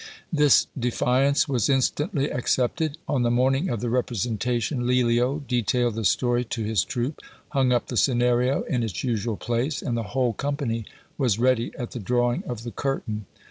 This defiance was instantly accepted. On the morning of the representation Lelio detailed the story to his troop, hung up the Scenario in its usual place, and the whole company was ready at the drawing of the curtain.